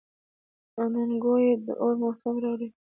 اننګو یې د اور موسم راوړی.